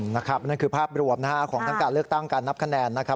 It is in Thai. นั่นคือภาพรวมของทั้งการเลือกตั้งการนับคะแนนนะครับ